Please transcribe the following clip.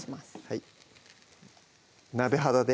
はい鍋肌で？